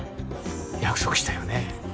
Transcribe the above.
約束したよね？